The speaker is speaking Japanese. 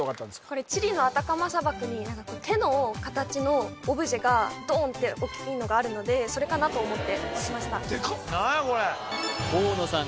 これチリのアタカマ砂漠に手の形のオブジェがドーンって大きいのがあるのでそれかなと思って押しました何やこれ河野さん